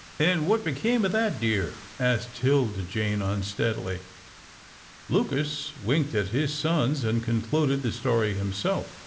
"And what became of that deer?" asked 'Tilda Jane, unsteadily. Lucas winked at his sons and concluded the story himself.